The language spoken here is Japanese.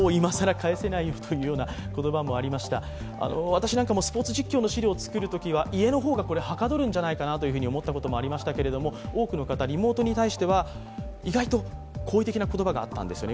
私なんかもスポーツ実況の資料を作るときは家の方がはかどるんじゃないかなと思ったこともありましたけど多くの方、リモートに対しては意外と好意的な言葉があったんですね。